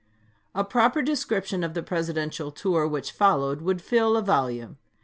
A proper description of the Presidential tour which followed would fill a volume.